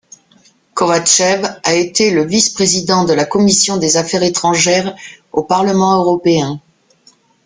Kovatchev a été le vice-président de la commission des affaires étrangères au Parlement Européen.